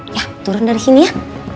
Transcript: ya turun dari sini ya